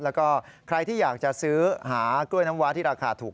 แล้วก็ใครที่อยากจะซื้อหากล้วยน้ำว้าที่ราคาถูก